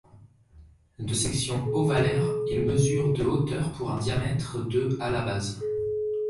De section ovalaire, il mesure de hauteur pour un diamètre de à la base.